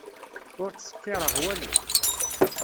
Ur ttṣekkiṛeɣ walu.